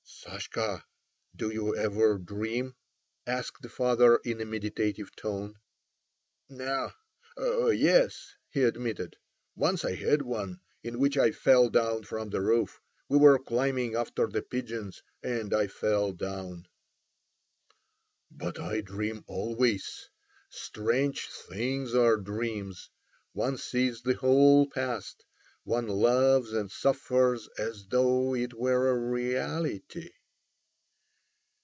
"Sashka, do you ever dream?" asked the father in a meditative tone. "No! Oh, yes," he admitted, "once I had one, in which I fell down from the roof. We were climbing after the pigeons, and I fell down." "But I dream always. Strange things are dreams. One sees the whole past, one loves and suffers as though it were reality."